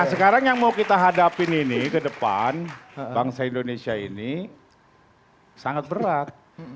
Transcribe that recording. nah sekarang yang mau kita hadapin ini ke depan bangsa indonesia ini sangat berat